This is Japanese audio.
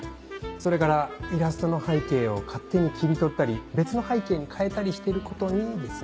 それからイラストの背景を勝手に切り取ったり別の背景に変えたりしてることにですね。